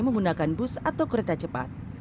menggunakan bus atau kereta cepat